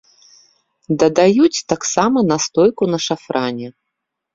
Дадаюць таксама настойку на шафране.